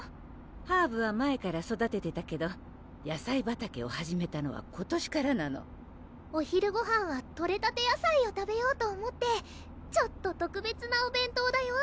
ハーブは前から育ててたけど野菜畑を始めたのは今年からなのお昼ごはんはとれたて野菜を食べようと思ってちょっと特別なお弁当だよ